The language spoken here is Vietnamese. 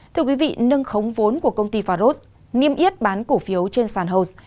thưa quý vị nâng khống vốn của công ty faros niêm yết bán cổ phiếu trên san jose